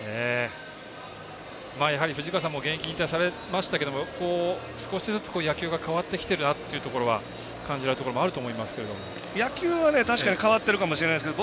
やはり藤川さんも現役、引退されましたけれども少しずつ、野球が変わってきているなというところ感じられるところも野球は確かに変わってるかもしれないですけど